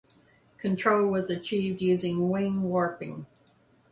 Control was achieved using wing-warping.